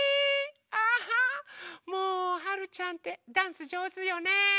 あもうはるちゃんってダンスじょうずよね。